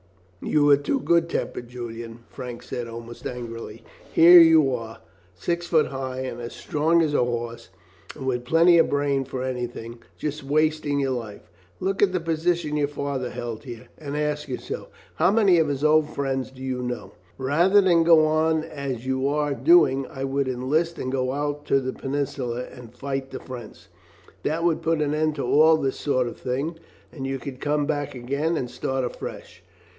"You are too good tempered, Julian," Frank said, almost angrily. "Here are you, six feet high and as strong as a horse, and with plenty of brain for anything, just wasting your life. Look at the position father held here, and ask yourself how many of his old friends do you know. Why, rather than go on as you are doing, I would enlist and go out to the Peninsula and fight the French. That would put an end to all this sort of thing, and you could come back again and start afresh.